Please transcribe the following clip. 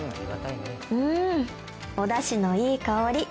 うーん、おだしのいい香り！